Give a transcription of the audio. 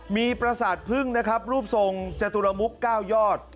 มีประสาทพึ่งนะครับรูปทรงจตุรมุก๙ยอด